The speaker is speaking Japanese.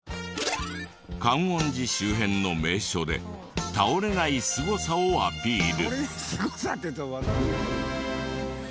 観音寺周辺の名所で倒れないすごさをアピール。